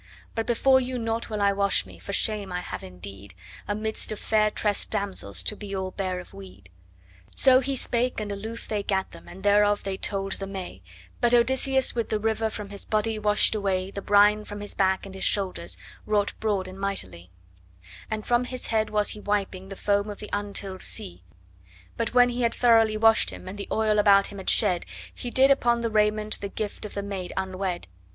But before you nought will I wash me, for shame I have indeed, Amidst of fair tressed damsels to be all bare of weed.' So he spake and aloof they gat them, and thereof they told the may, But Odysseus with the river from his body washed away The brine from his back and his shoulders wrought broad and mightily, And from his head was he wiping the foam of the untilled sea; But when he had throughly washed him, and the oil about him had shed He did upon the raiment the gift of the maid unwed.